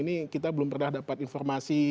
ini kita belum pernah dapat informasi